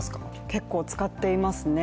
結構、使っていますね。